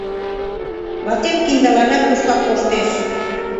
Ватем киндыланат тушкак коштеш.